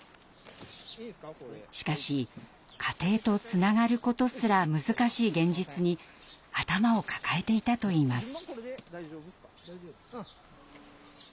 しかし家庭とつながることすら難しい現実に頭を抱えていたといいます。